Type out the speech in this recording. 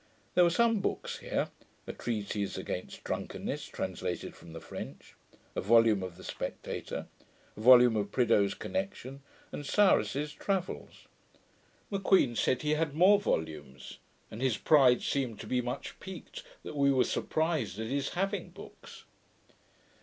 There were some books here: a Treatise against Drunkenness, translated from the French; a volume of the Spectator; a volume of Prideaux's Connection, and Cyrus's Travels. M'Queen said he had more volumes; and his pride seemed to be much piqued that we were surprised at his having books.